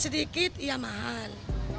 sedikit ya mahal